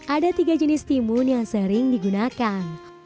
ada tiga jenis timun yang sering digunakan